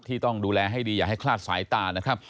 ต้องดูแลให้ดีอย่าให้คลาดสายตานะครับ